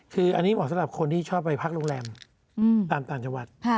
คืออันนี้เหมาะสำหรับคนที่ชอบไปพักโรงแรมตามต่างจังหวัด